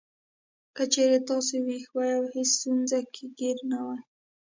که چېرې تاسو وېښ وئ او هېڅ ستونزو کې ګېر نه وئ.